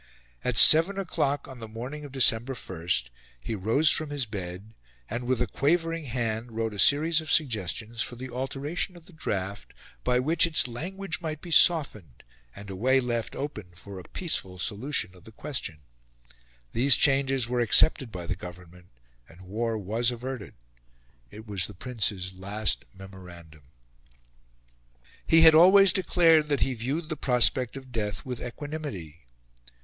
At seven o'clock on the morning of December 1, he rose from his bed, and with a quavering hand wrote a series of suggestions for the alteration of the draft, by which its language might be softened, and a way left open for a peaceful solution of the question. These changes were accepted by the Government, and war was averted. It was the Prince's last memorandum. He had always declared that he viewed the prospect of death with equanimity.